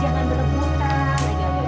bukan dulu ya